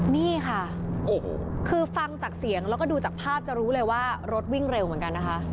นี่ค่ะโอ้โหคือฟังจากเสียงแล้วก็ดูจากภาพจะรู้เลยว่ารถวิ่งเร็วเหมือนกันนะคะ